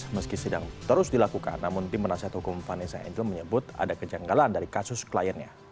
meski sedang terus dilakukan namun tim penasihat hukum vanessa angel menyebut ada kejanggalan dari kasus kliennya